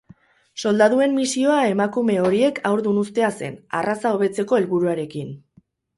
Soldaduen misioa emakume horiek haurdun uztea zen, arraza hobetzeko helburuarekin.